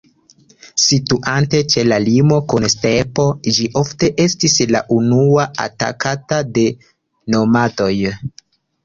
Situante ĉe la limo kun stepo, ĝi ofte estis la unua atakata de nomadoj.